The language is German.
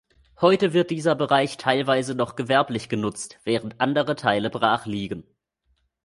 Heute wird dieser Bereich teilweise noch gewerblich genutzt, während andere Teile brach liegen.